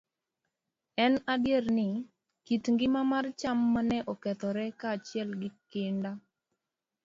En adier ni, kit ngima mar cham ma ne okethore kaachiel gi kinda